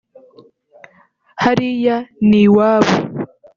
hariya ni iwabo